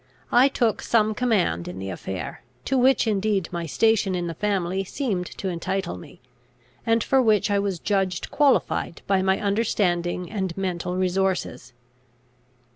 I took some command in the affair, to which indeed my station in the family seemed to entitle me, and for which I was judged qualified by my understanding and mental resources.